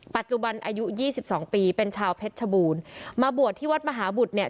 ปัจจุบันอายุยี่สิบสองปีเป็นชาวเพชรชบูรณ์มาบวชที่วัดมหาบุตรเนี่ย